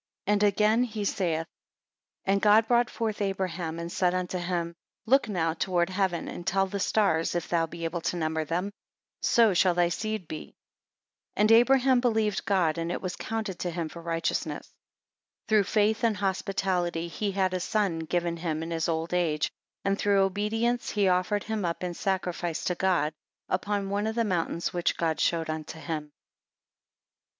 10 And again he saith: and God brought forth Abraham, and said unto him; look now toward heaven, and tell the stars, if thou be able to number them: so shall thy seed be. 11 And Abraham believed God, and it was counted to him for righteousness. 12 Through faith and hospitality he had a son given him in his old age; and through obedience he offered him up in sacrifice to God, upon one of the mountains which God showed into him.